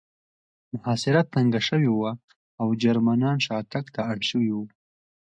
محاصره تنګه شوې وه او جرمنان شاتګ ته اړ شوي وو